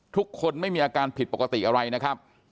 ทุกคนไม่มีอาการผิดปกติอะไรนะครับ